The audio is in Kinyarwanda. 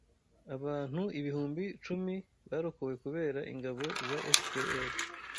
Abantu ibihumbi icumi barokowe kubera ingabo za FPR